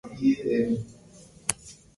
El Priorato de Helvetia deviene Gran Priorato.